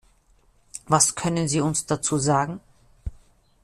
Was können Sie uns dazu sagen?